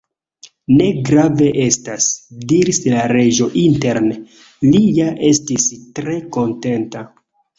"Ne grave estas," diris la Reĝo. Interne, li ja estis tre kontenta.